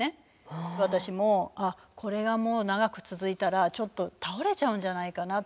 私も「あっこれがもう長く続いたらちょっと倒れちゃうんじゃないかな」って